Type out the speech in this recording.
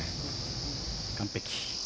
完璧。